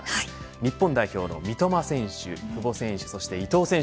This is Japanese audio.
日本代表の三笘選手久保選手そして伊東選手。